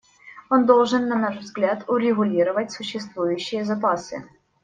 Он должен, на наш взгляд, урегулировать существующие запасы.